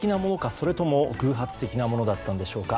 それとも偶発的なものだったのでしょうか。